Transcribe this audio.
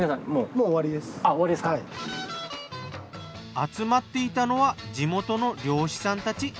集まっていたのは地元の漁師さんたち。